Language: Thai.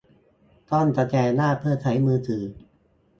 ต้องสแกนหน้าเพื่อใช้มือถือ